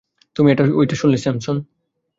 তুমি ঐটা শুনলে, স্যামসন?